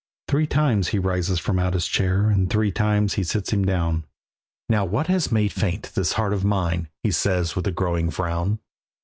Three times he rises from out his chair, And three times he sits him down. "Now what has made faint this heart of mine?" He says with a growing frown.